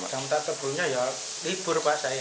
dampak terburuknya ya libur pak saya